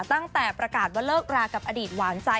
ตั้งแต่ประกาศว่าเลิกรากับอดีตหวานใจ